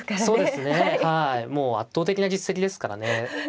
そうですねはいもう圧倒的な実績ですからね。